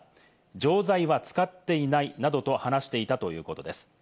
錠剤は使っていないなどと話していたということです。